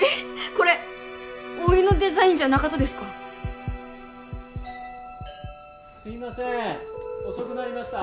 これおいのデザインじゃなかとですかすいません遅くなりました